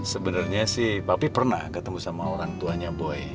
sebenarnya sih papi pernah ketemu sama orang tuanya boy